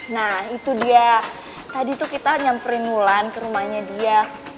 nah itu dia tadi tuh kita nyamperin mulan ke rumahnya dia